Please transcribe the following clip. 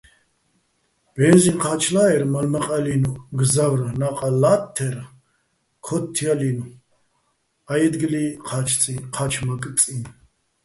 ბენზიჼ ჴა́ჩლა́ერ, მალ-მაყჲე́ჲლნო̆ მგზავრ ნა́ყა ლა́თთერ ქოთთჲალინო̆ ა́ჲდგლი ჴა́ჩმაკწიჼ.